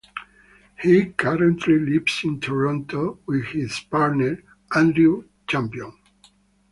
He currently lives in Toronto with his partner Andrew Champion.